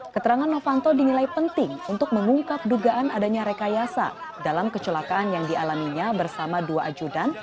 keterangan novanto dinilai penting untuk mengungkap dugaan adanya rekayasa dalam kecelakaan yang dialaminya bersama dua ajudan